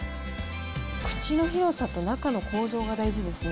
口の広さと中の構造が大事ですね。